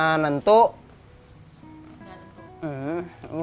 pada pertama itu